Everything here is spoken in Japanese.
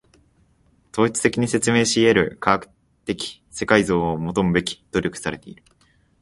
統一的に説明し得る科学的世界像を求むべく努力されている。